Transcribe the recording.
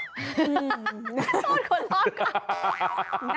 โทษคนรอบข้าง